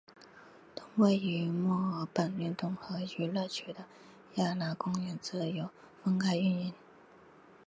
同位于墨尔本运动和娱乐区的雅拉公园则由分开营运。